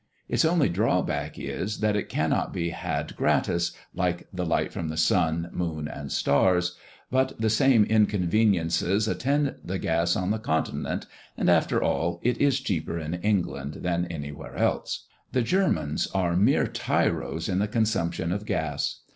Its only drawback is, that it cannot be had gratis, like the light from the sun, moon, and stars; but the same inconveniences attend the gas on the Continent, and after all, it is cheaper in England than anywhere else. The Germans are mere tyros in the consumption of gas.